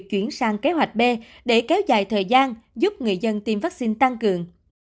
ông johnson nói rằng việc chuyển sang kế hoạch b để kéo dài thời gian giúp người dân tiêm vaccine tăng cường